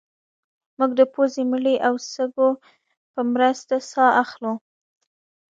موږ د پوزې مرۍ او سږو په مرسته ساه اخلو